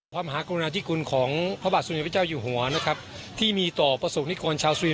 พระมหากรุณาธิคุณของพระบาทสมเด็จพระเจ้าอยู่หัวนะครับที่มีต่อประสบนิกรชาวสุริน